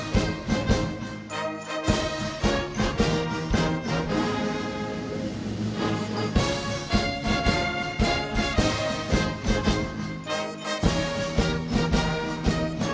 penghormatan kepada panji panji kepolisian negara republik indonesia tri brata